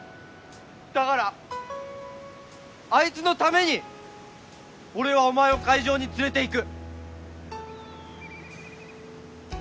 だからあいつのために俺はお前を会場に連れていく。